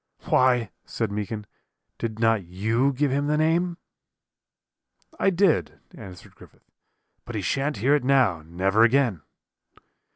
"'Why,' said Meekin, 'did not you give him the name?' "'I did,' answered Griffith; 'but he shan't hear it now, never again.'